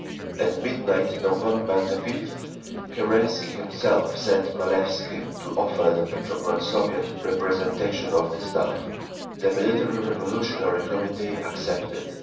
At midnight November 5th Kerensky himself sent Malevsky to offer the Petrograd Soviet representation on the Staff. The Military Revolutionary Committee accepted.